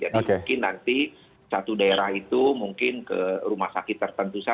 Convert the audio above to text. jadi mungkin nanti satu daerah itu mungkin ke rumah sakit tertentu saja